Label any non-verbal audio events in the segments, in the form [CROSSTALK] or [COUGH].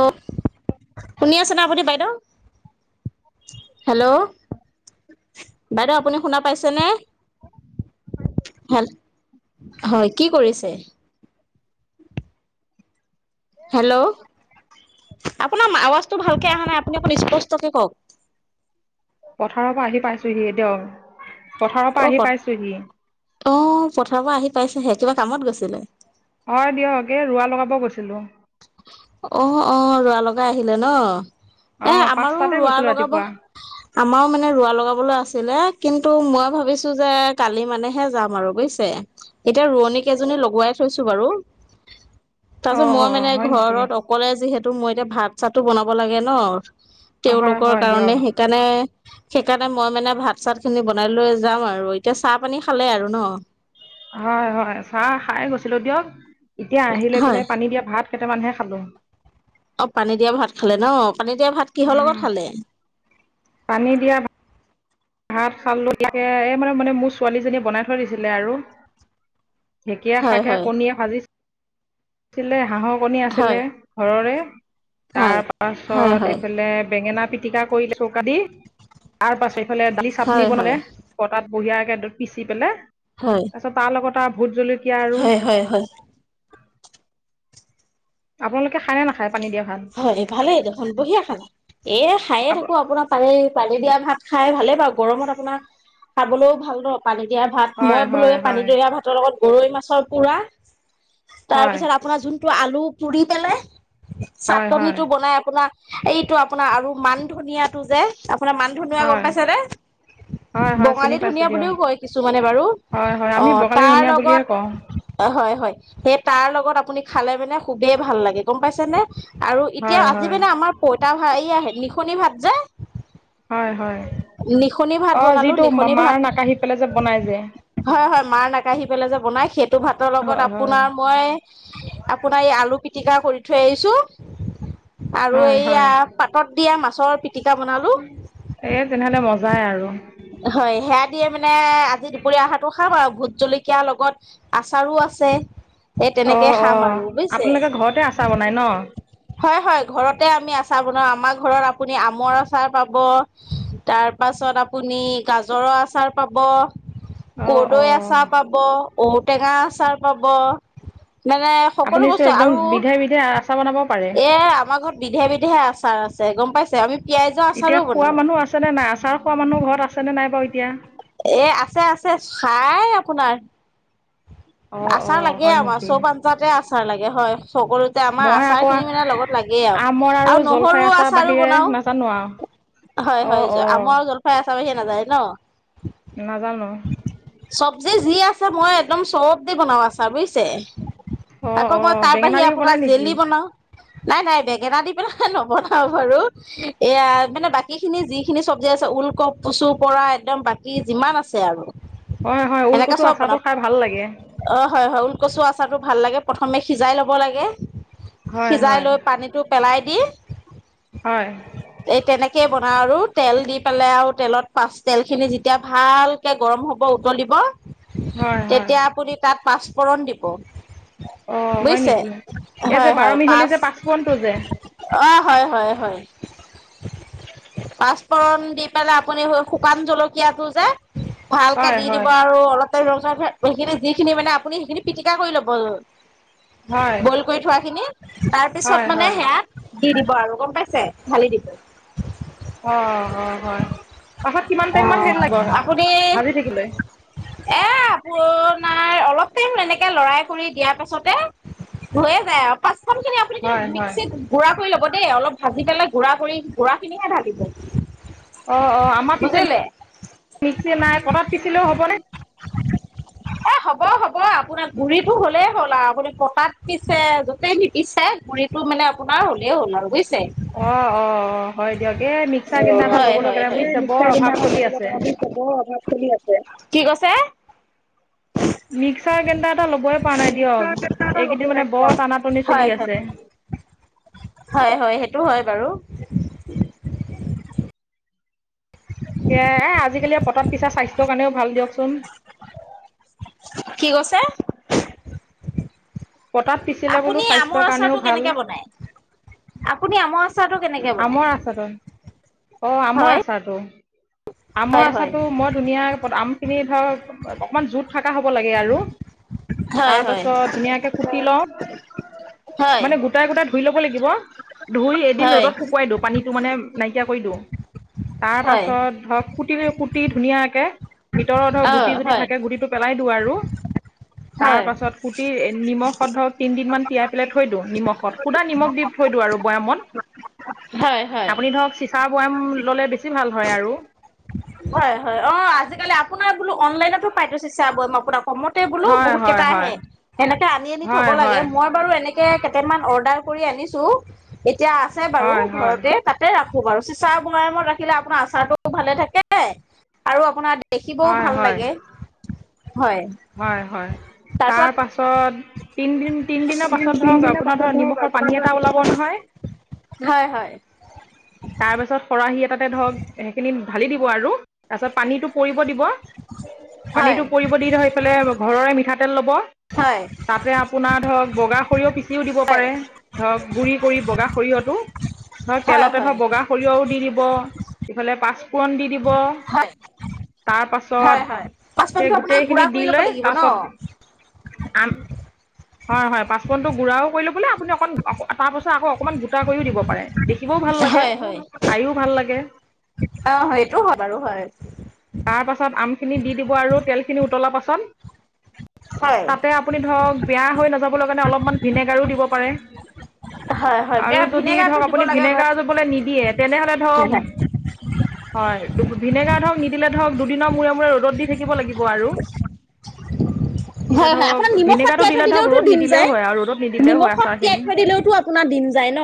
অ', শুনি আছেনে আপুনি বাইদেউ? হেল্ল' বাইদেউ আপুনি শুনা পাইছেনে? হয় কি কৰিছে? হেল্ল' আপোনাৰ আৱাজটো ভালকে আহা নাই আপুনি অকণমান স্পষ্টকে কওক। পথাৰৰ পৰা আহি পাইছোহি দিয়ক পথাৰৰ অ পৰা আহি প পাইছোহি। অ', পথাৰৰ পৰা আহি পাইছেহে কিবা কামত গৈছিলে? হয়, দিয়ক‌ এই ৰুৱা লগাব গৈছিলোঁ। অ', অ', ৰুৱা লগাই আহিলে ন। এ অঁ আমাৰো পাঁচটাতে ৰোৱা গৈছিলোঁ লগাব ৰাতিপুৱা আমাৰো মানে ৰোৱা লগাবলৈ আছিলে কিন্তু মই ভাবিছোঁ যে কালি মানেহে যাম আৰু বুজিছে, এতিয়া ৰোৱনী কেইজনী লগোৱাই থৈছো বাৰু। [INAUDIBLE] তাৰ পিছত মই অঁ মানে হয় নেকি ঘৰত অকলে যিহেতু মই এতিয়া ভাত চাতো বনাব লাগে ন। হয় তেওঁলোকৰ হয় দিয়ক কাৰণে সেইকাৰণে সেইকাৰণে মই মানে ভাত চাত খিনি বনাই লৈ যাম আৰু এতিয়া চাহ পানী খালে আৰু ন। হয়, হয়, চাহ খাই গৈছিলোঁ দিয়ক এতিয়া আহি লৈ হয় পেলাই পানী দিয়া ভাত কেইটামানহে খালোঁ। অ', পানী দিয়া ভাত খালে ন' পানী দিয়া ভাত কিহৰ লগত খালে? পানী দিয়া ভাত খালোঁ কিহেৰে মানে এই মানে, মানে মোৰ ছোৱালীজনীয়ে বনাই থৈ দিছিলে আৰু ঢেঁকীয়া হয় শাকে হয় কণীয়ে ভাবিছোঁ। আছিলে হাঁহৰ কণী হয় আছিলে ঘৰৰে হয় তাৰ হয় পাছত হয় এইফালে বেঙেনা পিটিকা কৰিলে চৌকা দি তাৰ পাছত এইফালে দালি চাটনি হয় বনালে হয় বতাত বঢ়িয়াকে পিচি পেলে হয় তাৰপিছত তাৰ লগত দুটা ভোট জলকীয়া আৰু হয়, হয়, হয়। আপোনালোকে খায় নে নাখায়? পানী দিয়া ভাত হয়, ভালেই দেখোন বঢ়িয়া খানা এ খায়ে আপ থাকো আপোনাৰ পানী পানী দিয়া ভাত। খাই ভালে পাওঁ গৰমত আপোনাৰ খাবলৈও ভাল ন। পানী দিয়া ভাত, মই হয় বোলো হয় এই পানী হয় দিয়া ভাতৰ লগত গৰৈ মাছৰ পোৰা। হয় তাৰপিছত আপোনাৰ যোনটো আলু পুৰি পেলাই হয় চাটনি হয় টো বনাই আপোনাৰ এইটো আপোনাৰ আৰু মান ধনিয়াটো যে আপোনাৰ মান ধনিয়া গম হয় পাইছে নে? হয় হয় চিনি বঙালী পাইছোঁ ধুনীয়া দিয়ক বুলিওঁ কয় কিছুমানে বাৰু হয় হয় আমি অ', বঙালী তাৰ ধনিয়া বুলিয়ে কওঁ লগত হয়, হয়, সেই তাৰ লগত আপুনি খালে মানে খুবেই ভাল লাগে গম পাইছে নে? আৰু এতিয়া হয় আজি হয় মানে আমাৰ পইতা ভাত এইয়ে নিশনি ভাত যে হয়, হয় নিশনি ভাত অ', বনালো যিটো নিশনি মাৰ ভাত নাকাঢ়ি পেলাই যে বনাই যে হয়, হয় মাৰ নাকাঢ়ি পেলাই যে বনাই সেইটো ভাতৰ হয় লগত হয় আপোনাৰ মই আপোনাৰ এই আলু পিটিকা কৰি থৈ আহিছোঁ আৰু হয় হয় এইয়া পাতত দিয়া মাছৰ পিটিকা বনালোঁ। এ তেনেহলে মজাই আৰু হয় সেয়া দিয়ে মানে আজি দুপৰীয়া আহাৰটো খাম আৰু ভোত জলকীয়াৰ লগত আচাৰো আছে। এই অ তেনেকে অ খাম আৰু বুজছে। আপোনালোকে ঘৰতে আচাৰ বনাই ন হয়, হয় ঘৰতে আমি আচাৰ বনাওঁ আমাৰ ঘৰত আপুনি আমৰ আচাৰ পাব তাৰপাছত আপুনি গাজৰৰ আচাৰ পাব। অ কৰ্দৈ আচাৰ অ পাব, ঔটেঙা আচাৰ পাব মানে সকলো আপুনিচোন বস্তু একদম আৰু বিধে বিধে আচাৰ বনাব পাৰে। এ আমাৰ ঘৰত বিধে বিধেহে আছাৰ চাৰ আছে গম পাইছে আমি পিয়াজৰ এতিয়া আচাৰো খোৱা বনাও মানুহ আছে নে নাই আচাৰ খোৱা মানুহ ঘৰত আছেনে নাই বাৰু এতিয়া এ আছে আছে চাই আপোনাৰ অঁ আচাৰ অঁ লাগে হয় আমাৰ নেকি? চৌ আঞ্জাতে আচাৰ লাগে হয়। সকলোতে আমাৰ মই আচাৰ আকৌ খিনি মানে লগত লাগেই আৰু আমৰ আৰু জলফাই নহৰু আচাৰ আচাৰো বাহিৰে বনাওঁ। নাজানো আৰু। হয়, হয় অঁ অঁ আমৰ‌ আৰু জলফাই আচাৰ বাহিৰে নাজাই ন নাজানো। চবজি যি আছে মই একদম চব বনাওঁ আচাৰ বুজিছে অঁ আকৌ মই অঁ তাৰ বেঙেনা বাহিৰে দিও বনাই আপোনাৰ নেকি? জেলি বনাওঁ। নাই, নাই বেঙেনা দি পেলাই নবনাও বাৰু এয়া মানে বাকী খিনি যি স খিনি চব্জি আছে ওলকপ কচু পৰা একদম বাকী যিমান আছে আৰু হয়, হয় ওলকচু আচাৰটো খাই ভাল লাগে। হয়, হয়, হয় লকচু আচাৰটো ভাল লাগে প্ৰথমে সিজাই ল'ব লাগে, হয় সিজাই হয় লৈ পানীটো পেলাই দি হয়। তে বনা আৰু তেল দি পেলাই আৰু তেলত পাচ তেল খিনি যেতিয়া ভালকে গৰম হ'ব উতলিব হয়, হয়। তেতিয়া আপুনি তাত পাঁচফোৰণ দিব অঁ হয় বুজছে নেকি? এই যে হয়, বাৰ হয়, মিহলি পচ যে পাঁচফোৰণটো যে অ' হয়, হয়, হয়। পাঁচফোৰণ দি পেলাই আপুনি শুকান জলকীয়া টো যে ভালকে হয় দি দিব হয় আৰু অলপতে ৰ সখিনি যিখিনি মানে আপুনি সেইখিনি পিটিকা কৰি ল'ব হয় বইল কৰি থোৱাখিনি হয় তাৰপিছত মানে হয়। সেয়া দি দ বাৰ আৰু গম পাইছে ঢালি দিব অ অ হয় অ পাছত কিমান টাইম মান হেৰি লাগিব আপুনি এ ভাজি থাকিবলৈ পুৰ আপোনাৰ অলপ টাইম এনেকে লৰাই কৰিু দিয়াৰ পাছতে হৈয়ে যায় আৰু হয় হয় প [UNINTELLIGIBLE] দেই অলপ ভাজি পেলাই গুড়া কৰি গুৰা খিনিহে ঢালিব অ অ আমাৰ বুজিলে মিক্সি নাই কটাত পিচিলেও হবনে এ হ'ব, হ'ব আপোনাৰ পুৰিতো হ'লেই হ'ল আৰু আপুনি পতাত পিছে য'তেই নিপিছে গুৰিতটো মানে আপোনাৰ হ'লেই হ'ল আৰু বুজছে। অ', অ', অ', হয় দিয়ক এ মিক্সাৰ গ্ৰেণ্ডাৰ এটা ল'বলৈ কেনে বুজিছে ব বৰ অভাৱ চলি আছে কি কৈছে [UNINTELLIGIBLE] মিক্সাৰ গ্ৰাইণ্ডাৰ এটা লবই পৰা নাই দিয়ক এইকেইদিন মানে বৰ টান টনি হয় চলি হয় আছে। [INAUDIBLE] হয়, হয় সেইটো হয় বাৰু। এ, এ আজিকালি পটাত পিছা স্বাস্থ্যৰ কাৰণেও ভাল দিয়কচোন। কি কৈছে পটাত পিচিলে বোলো আপুনি স্বাস্থ্যৰ আমৰ কাৰণেও আচাৰটো ভাল কেনেকে বনাই আপুনি আমৰ আচাৰ চাহটো কেনেকে আমৰ আচাৰটো বনাই অ আমৰ আছ টো আমৰ হয় হয় আচাটো মই ধুনীয়া আমখিনি ধৰ অকমান জোত থকা হ'ব লাগে আৰু হয় তাৰ হয়। পাছত ধুনীয়াকে কুটি লওঁ হয় মানে গোটাই গোটাই ধুই ল'ব লাগিব ধুই এদিন হয় হয় ৰ'দত শুকুৱাই দিওঁ পানীতটো মানে নাইকিয়া কৰি দিওঁ তাৰ হয় পাছত ক কুটি কুটি ধুনীয়াকে ভিতৰত ধৰক অ গুটি যদি হয় থাকে গুটিটো পেলাই দিওঁ আৰু তাৰ হয় পাছত সুটি নিমখত ধৰক তিনিদিনমান তিয়াই পেলাই থৈ দিওঁ নিমখত খুধা নিমখ দি থৈ দিওঁ আৰু হয় হয়। বৈয়ামত আপুনি ধৰক চিচাৰ বৈয়াম ল'লে বেছি ভাল হয় আৰু হয় হয় অ আজিকালি আপোনাৰ বোলো অনলাইনতো পাই থছে আপোনাক কমতে বোলো হয় বহুত হয় কেইটা হয় আহে সেনেকে আনি আনি থ'ব হয় লাগে হয় মই বাৰু এনেকে কেইট মান অৰ্ডাৰ কৰি আনিছো এতিয়া আছে বাৰু হয় হয় ঘৰতে তাতে ৰা আৰু চিচা ভয়ামত ৰাখিলে আপোনাৰ আচাৰতটো ভালে থাকে আৰু আপোনাৰ দেখিবও হয় ভাল হয় লাগে হয় হয় হয় তাৰপিছত তাৰ পাছত তিনদিন তিনদিনৰ দুদিন পাছত ধৰক তিনদিনৰ আপোনাৰ পাছত ধৰ ধৰক নিমখৰ আপোনাৰ পানী ধৰক এটা ওলাব ৰাতিপুৱা নহয় হয় হয় তাৰ পিছত খৰাহি এটাতে ধৰক সেইখিনি ঢালি দিব আৰু তাৰপিছত পানীটো পৰিব দিব হয় পানীটো পৰিব দি এইফালে ঘৰৰে মিঠাতেল লব হয়, তাতে আপোনাৰ ধৰক বগা সৰিয়হ পিচিও দিব হয় পাৰে ধৰক গুৰি কৰি বগা সৰিয়হটো ধৰক হয় হয় তেলতে ধৰ বগা সৰিয়হও দি দিব ইফালে পাঁচফোৰণ দি দিব হয় তাৰ হয় হয় পাছত সেই পাঁচপনটো আপোনাৰ গোটেই গুড়া কৰি ল'ব দিলৈ লাগিব ন পাছত আ হয়, হয় পাঁচপুৰনটো গুড়াও কৰি ল'বলে আপুনি অকণ তাৰ পাছত, অকণমান গোটা কৰিও দিব পাৰে। দেখিবও ভাল লাগে হয় হয় খাইও ভাল লাগে। অ, এইটোও হয় বাৰু হয়। খিনি দি দিব আৰু তেলখিনি উতলাৰ পাছত হয় তাতে আপুনি ধৰক বেয়া হৈ নাযাবৰ কাৰণে অলপমান ভিনেগাৰো দিব পাৰে। হয় হয় আৰু বেয়া যদি ধৰক ভিনেগাৰটো দিব আপুনি লাগে বাৰু ভিনেগাৰজো বোলে নিদিয়ে তেনেহলে ধৰক হয় হয় ভিনেগাৰ ধৰক নিদিলে ধৰক দুদিনৰ মূৰে মূৰে ৰ'দত দি থাকিব লাগিব আৰু হয় তেতিয়া হয় হয় আপোনাৰ নিমখত ধৰক দিলে তিয়াই থৈ ধৰক দিলেওতো ৰ'দ দিম নিদিলেও যায় হয় আৰু ৰ'দত নিদিলেও হয় নিমখত তিয়াই আচাৰখিনি। [INAUDIBLE] থৈ দিলেওতো আপোনাৰ দিম যায় ন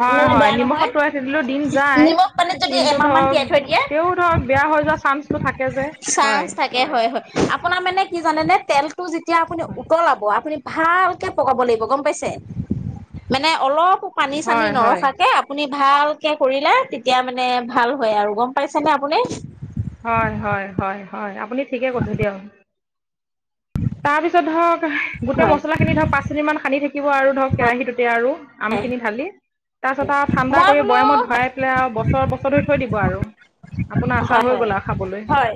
হয়, মানে হয়, বেয়া নহয় নিমখত ভৰাই থৈ দিলো দিন যায় নিমখ পানীত যদি কিন্তু এমাহ মান ধৰক তিয়াই থৈ তেও ধৰক বেয়া হৈযো চা চাঞ্চ থাকে হয়, হয়, আপোনাৰ মানে কি জানেনে তেলটো যেতিয়া আপুনি উতলাব আপুনি ভালকে পকাব লাগিব গম পাইছে মানে অলপ পানী চানী হয় হয় নৰখাকে আপুনি ভাল কৰিলে তেতিয়া মানে ভাল হয় আৰু গম পাইছে নে আপুনি? হয়, হয়, হয়, হয় আপুনি ঠিকে কৈছে দিয়ক। তাৰপিছত ধৰক গোটেই হয় মছলা খিনি ধৰক পাঁচ মিনিট মান সানি থাকিব আৰু ধৰক কেৰাহীটোতে আৰু, হয় আমখিনি ঢালি তাৰ পিছত আৰু ঠাণ্ডা মই কৰি বোলো বয়ামত ভৰাই পেলাই আৰু বছৰ-বছৰ ধৰি থৈ দিব আৰু আপোনাৰ আচা হয় হৈ হয় গ'ল আৰু খাবলৈ। হয়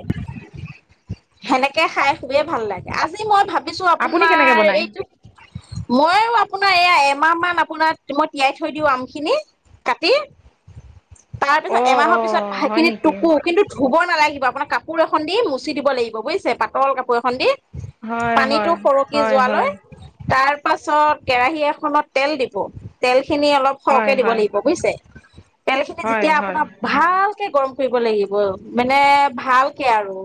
সেনেকে খাই খুবেই ভাল লাগে আজি মই ভাব ছো আপুনি কেনেকৈ আপোনাৰ বনায় এইটো মইয়ো আপোনাৰ এইয়া এমাহ মান [UNINTELLIGIBLE] মই তিয়াই থৈ দিওঁ আমখিনি কাটি তাৰ পিছত অঁ এমাহৰ পিছত অঁ হয় ভাতখিনি নেকি টুকো কিন্তু ধুব নালাগিব আপোনাৰ কাপোৰ এখন দি মচি দিব লাগিব বুজিছে পাতল কাপোৰ এখন দি হয় পানীতো হয় সৰকি হয় যোৱা হয় লৈ তাৰ তাৰ পাছত কেৰাহী এখনত তেলদিব তেল খিনি অলপ সৰহকে হয় দিব হয় লাগিব বুজিছে তেল খিনি হয় যেতিয়া হয় আপোনাৰ ভাল কে গৰম কৰিব লাগিব মানে ভালকে আৰু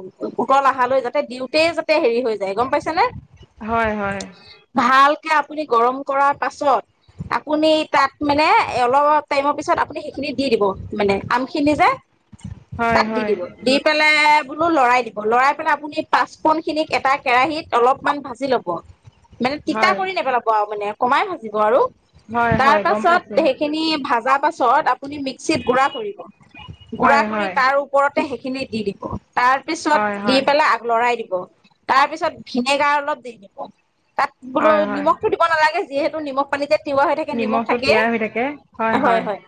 উতল অহালৈ যাতে দিওঁতে যাতে হেৰি হৈ গম পাইছে নে? হয় হয় ভালকে আপুনি গৰম কৰাৰ পাছত আপুনি তাত মানে অলপ টাইমৰ পিছত আপুনি সেইখিনি দি দিব। মানে আমখিনি যে হয় তাত দি হয় দিব, দি পেলাই [UNINTELLIGIBLE] লৰাই দিব, লৰাই পেলাই আপুনি পাঁচপুৰনখিনিক এটা কেৰাহিত অলপমান ভাজি ল'ব মানে তিতা হয় কৰি নেপেলাব আৰু মানে কমাই ভাজিব আৰু হয় তাৰ হয় গম পাছত পাইছো সেইখিনি ভাজা পাছ চত আপুনি মিক্সিত গুৰা কৰিব গুৰা হয় কৰি হয় তাৰ ওপৰতে সেইখিনি দি দিব। তাৰপিছত হয় দি হয় পেলাই আগ লৰাই দিব তাৰপিছত ভিনেগাৰ অলপ দি দিব। তাত বোলো হয় হয় নিমখটো দিব নালাগে যিহেতু নিমখ পানীতে তিৱা হৈ থাকে নিমখ নিমখটো থাকে তিয়াই হৈ থাকে হয়, হয়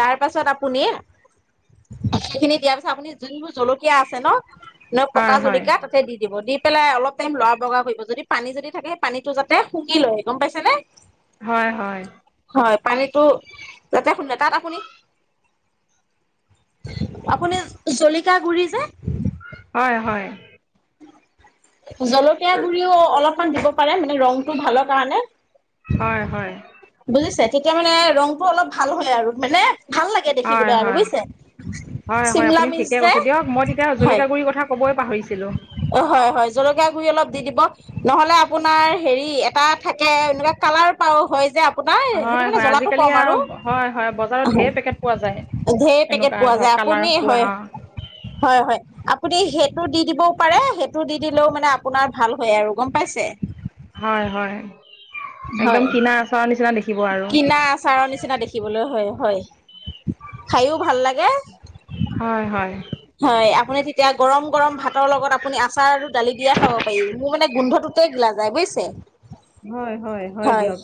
তাৰ পাছত আপুনি সেইখিনি দিয়াৰ পাছত আপুনি যোনবোৰ জলকীয়া আছে ন হয় পকা হয় জলকীয়া তাতে দি দিব দি পেলাই অলপ টাইম লৰা বগা কৰিব যদি পানী যদি থাকে পানীটো যাতে শুকি লয় গম পাইছে নে। হয়, হয়। হয় পানীটো যাতে খু তাত আপুনি আপুনি জলকীয়া গুৰি যে হয়, হয়। জলকীয়া গুৰিও অলপমান দিব পাৰে মানে ৰংটো ভালৰ কাৰণে হয়, হয়। বুজিছে তেতিয়া মানে ৰংটো অলপ ভাল হলে আৰু মানে ভাল লাগে হয় দেখিবলৈ আৰু হয় বুজিছে। হয়, হয় চিমলা আপুনি মিৰ্চ ঠিকে যে কৈছে দিয়ক মই তেতিয়া হয় জলকীয়া গুৰিৰ কথা কবই পাহৰিছিলো। অ', হয়, হয়। জলকীয়া গুৰি অলপ দি দিব নহলে আপোনাৰ হেৰি এটা থাকে এনেকুৱা কালা্ৰ পাউ হয় যে নাই সেইটো হয় মানে হয় জ্বলাটো আজিকালি কম আৰু হয় হয় বজাৰত ঢেৰ পেকেট পোৱা যায় ধেৰ পেকেট এনেকুৱা পোৱা ধৰক যায় কালাৰ আপুনি পোৱা হয়, অ হয়, হয় আ আপুনি সেইটো দি দিবও পাৰে সেইটো দি দিলেও মানে আপোনাৰ ভাল হয় আৰু গম পাইছে। হয়, হয় একদম হয় কিনা আচৰ নিচিনা দেখিব আৰু কিনা আচাৰৰ নিচিনা দেখিবলৈ হয়, হয় খায়ো ভাল লাগে। হয়, হয়। হয় আপুনি তেতিয়া গৰম গৰম ভাতৰ লগত আপুনি আচাৰ আৰু দালি দিয়ে খাব পাৰি মোৰ মানে গোন্ধত তোতে গিলা যায় বুজিছে। হয়, হয়, হয় দিয়ক